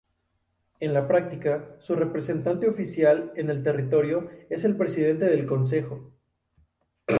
En la práctica, su representante oficial en el territorio es el presidente del Consejo.